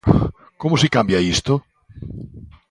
Como se cambia isto?